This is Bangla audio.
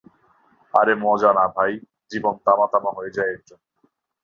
আরে মজা না ভাই, জীবন তামা হয়ে যায় এর জন্যে।